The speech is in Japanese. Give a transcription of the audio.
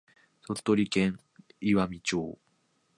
鳥取県岩美町